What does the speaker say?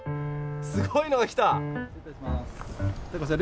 すごいのが来た！